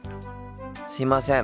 すいません。